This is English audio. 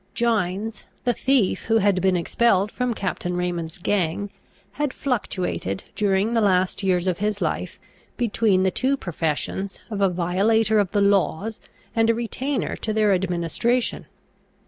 Gines, the thief who had been expelled from Captain Raymond's gang, had fluctuated, during the last years of his life, between the two professions of a violator of the laws and a retainer to their administration.